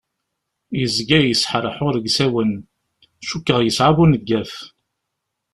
Yezga yesḥerḥur deg usawen, cukkeɣ yesɛa buneggaf.